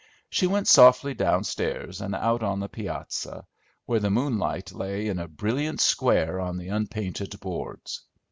She went softly downstairs and out on the piazza, where the moonlight lay in a brilliant square on the unpainted boards.